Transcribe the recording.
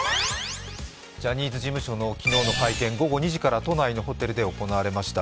ジャニーズ事務所の昨日の会見、午後２時から都内ホテルで行われました。